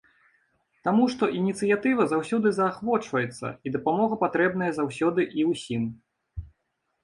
Таму што ініцыятыва заўсёды заахвочваецца і дапамога патрэбная заўсёды і ўсім.